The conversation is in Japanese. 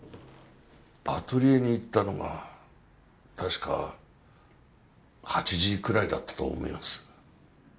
アトリエに行ったのが確か８時くらいだったと思います。